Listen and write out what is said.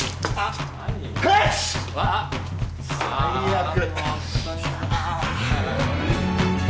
最悪。